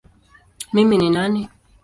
Mimi ni nani?